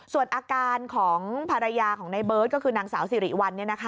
ส่วนอาการของภรรยาของในเบิร์ตก็คือนางสาวสิริวัล